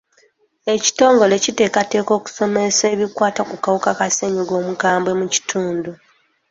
Ekitongole kiteekateeka okusomesa ebikwata ku kawuka ka ssenyiga omukambwe mu kitundu.